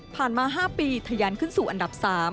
มา๕ปีทะยันขึ้นสู่อันดับ๓